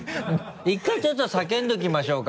１回ちょっと叫んでおきましょうか。